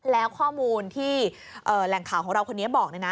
แล้วข้อมูลที่แหล่งข่าวของเราคนนี้บอก